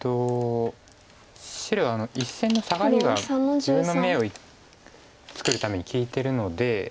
白１線のサガリが自分の眼を作るために利いてるので。